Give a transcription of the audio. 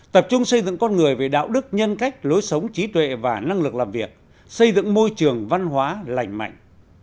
tập trung xây dựng con người về đạo đức nhân cách lối sống trí tuệ và năng lực làm việc xây dựng môi trường văn hóa lành mạnh